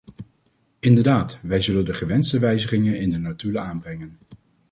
Inderdaad, wij zullen de gewenste wijzigingen in de notulen aanbrengen.